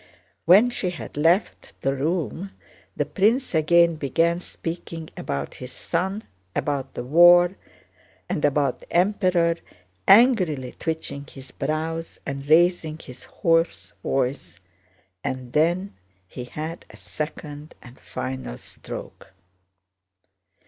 When she had left the room the prince again began speaking about his son, about the war, and about the Emperor, angrily twitching his brows and raising his hoarse voice, and then he had a second and final stroke.